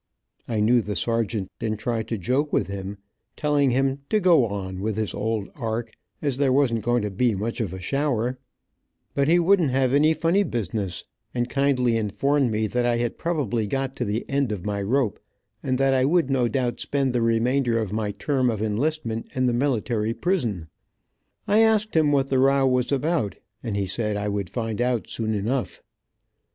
I knew the sergeant, and tried to joke with him, telling him to "go on with his old ark, as there wasn't going to be much of a shower," but he wouldn't have any funny business, and kindly informed me that I had probably got to the end of my rope, and that I would no doubt spend the remainder of my term of enlistment in the military prison. I asked him what the row was about, and he said. I would find out soon enough.